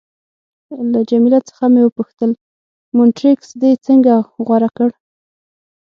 له جميله څخه مې وپوښتل: مونټریکس دې څنګه غوره کړ؟